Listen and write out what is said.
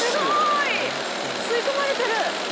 えっ吸い込まれてる？